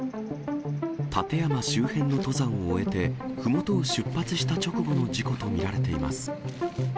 立山周辺の登山を終えて、ふもとを出発した直後の事故と見られています。